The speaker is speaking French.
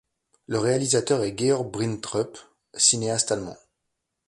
Le réalisateur est Georg Brintrup, cinéaste allemand.